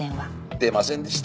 出ませんでした。